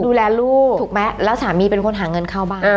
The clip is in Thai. ดูแลลูกถูกไหมแล้วสามีเป็นคนหาเงินเข้าบ้าน